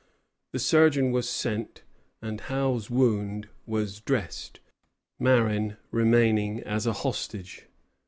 The surgeon was sent, and Howe's wound was dressed, Marin remaining as a hostage.